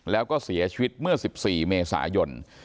แล้วก็เสียชีวิตเมื่อ๑๔เมษายน